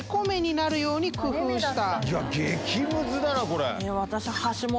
激ムズだなこれ。